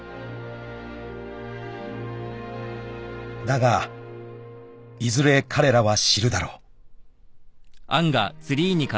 ［だがいずれ彼らは知るだろう］